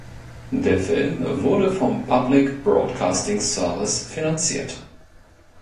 Der Film wurde vom Public Broadcasting Service finanziert.